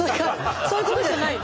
そういうことじゃないの？